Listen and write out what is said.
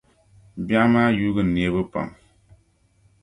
Biɛɣu maa yuugi neebu pam.